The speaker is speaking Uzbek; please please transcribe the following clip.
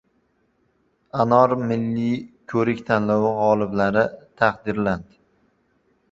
“Anor” milliy ko‘rik-tanlovi g‘oliblari taqdirlandi